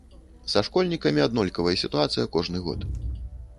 Са школьнікамі аднолькавая сітуацыя кожны год.